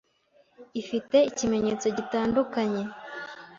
Ifite ikimenyetso gitandukanya?